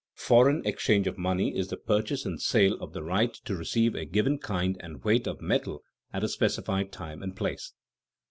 _Foreign exchange of money is the purchase and sale of the right to receive a given kind and weight of metal at a specified time and place.